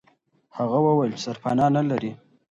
هغه وویل چې سرپنا نه لري.